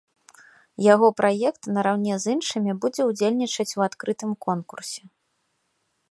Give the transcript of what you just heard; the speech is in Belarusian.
Яго праект нараўне з іншымі будзе ўдзельнічаць у адкрытым конкурсе.